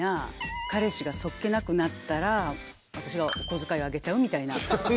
彼氏がそっけなくなったら私がお小遣いをあげちゃうみたいな。